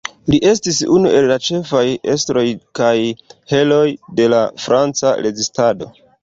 Li estis unu el la ĉefaj estroj kaj herooj de la Franca rezistado.